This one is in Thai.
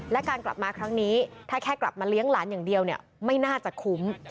และการกลับมาครั้งนี้ถ้าแค่กลับมาเลี้ยงหลานอย่างเดียวไม่น่าจะคุ้ม